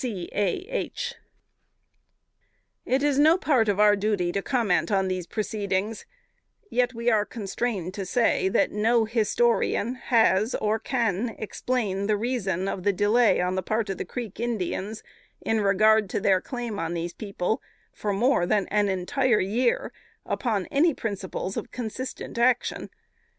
C. A. H." It is no part of our duty to comment on these proceedings; yet we are constrained to say, that no historian has, or can explain the reason of delay on the part of the Creek Indians, in regard to their claim to these people, for more than an entire year, upon any principles of consistent action.